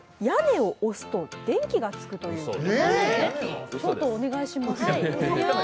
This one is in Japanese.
屋根を押すと電気がつくという。